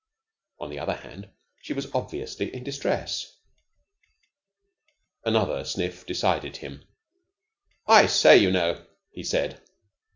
On the other hand, she was obviously in distress. Another sniff decided him. "I say, you know," he said.